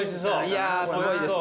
いやすごいですね。